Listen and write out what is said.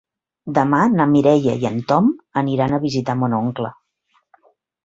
Demà na Mireia i en Tom aniran a visitar mon oncle.